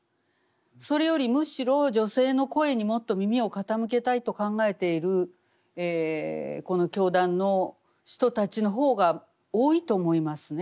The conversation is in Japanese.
それよりむしろ女性の声にもっと耳を傾けたいと考えているこの教団の人たちの方が多いと思いますね。